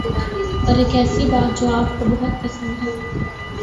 اور ایک ایسی بات جو آپ کو بہت پسند ہے